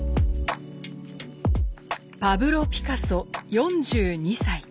パブロ・ピカソ４２歳。